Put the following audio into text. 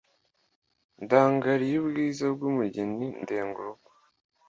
ndangariye ubwiza bwumugeni ndenga urugo